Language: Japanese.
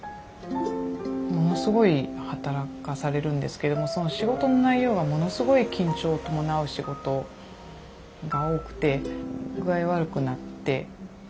ものすごい働かされるんですけどもその仕事の内容がものすごい緊張を伴う仕事が多くて具合悪くなって。